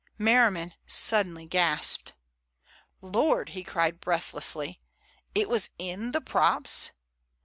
Merriman suddenly gasped. "Lord!" he cried breathlessly. "It was in the props?"